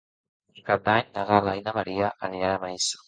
Per Cap d'Any na Gal·la i na Maria aniran a Benissa.